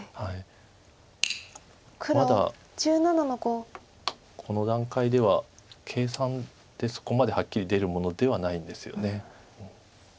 まだこの段階では計算でそこまではっきり出るものではないんですよね。